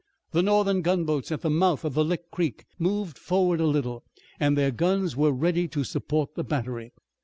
The Northern gunboats at the mouth of Lick Creek moved forward a little, and their guns were ready to support the battery.